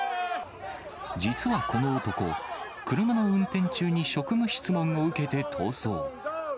実はこの男、車の運転中に職務質問を受けて逃走。